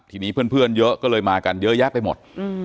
ทีนี้เพื่อนเยอะก็เลยมากันเยอะแยะไปหมด